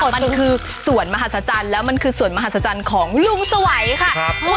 มันคือส่วนมหัศจรรย์แล้วมันคือส่วนมหัศจรรย์ของลุงสวัยค่ะ